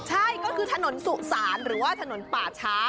ใช่ก็คือถนนสุสานหรือว่าถนนป่าช้า